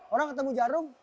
orang ketemu jarum